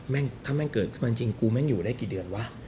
ถ้าแม่งเกิดขึ้นมาจริงกูแม่งอยู่ได้กี่เดือนวะ